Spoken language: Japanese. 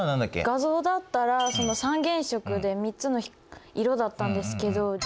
画像だったら三原色で３つの色だったんですけど。